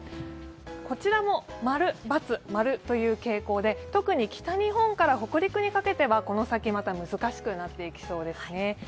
こちらも○、×、○という傾向で特に北日本から北陸にかけてはこの先また難しくなりそうです。